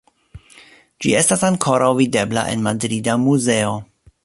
Ĝi estas ankoraŭ videbla en madrida muzeo.